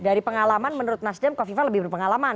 dari pengalaman menurut nasdem kofifa lebih berpengalaman